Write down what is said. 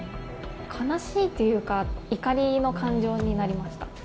悲しいというか、怒りの感情になりました。